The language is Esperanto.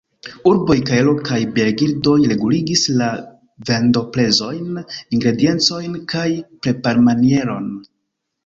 Urboj kaj lokaj biergildoj reguligis la vendoprezojn, ingrediencojn kaj preparmanieron.